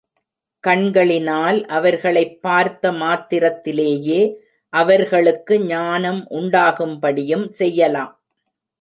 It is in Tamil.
கண்களினால் அவர்களைப் பார்த்த மாத்திரத்திலேயே அவர்களுக்கு ஞானம் உண்டாகும்படியும் செய்யலாம்.